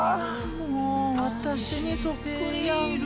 もう私にそっくりやんか。